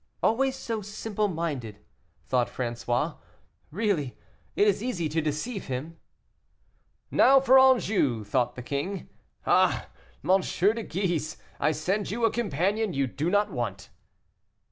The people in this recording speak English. "Always so simple minded," thought François, "really, it is easy to deceive him." "Now for Anjou," thought the king. "Ah! M. de Guise, I send you a companion you do not want."